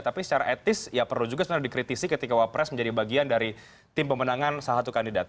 tapi secara etis ya perlu juga sebenarnya dikritisi ketika wapres menjadi bagian dari tim pemenangan salah satu kandidat